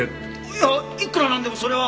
いやいくらなんでもそれは。